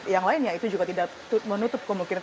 yang lainnya itu juga tidak menutup kemungkinan